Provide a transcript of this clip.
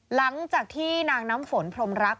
หลังจากที่นางน้ำฝนพรมรัก